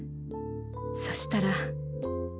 そしたら。